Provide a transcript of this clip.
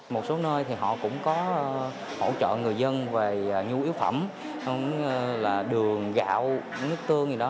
một số nơi thì họ cũng có hỗ trợ người dân về nhu yếu phẩm là đường gạo nước tương